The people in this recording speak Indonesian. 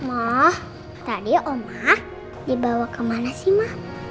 ma tadi oma dibawa kemana sih ma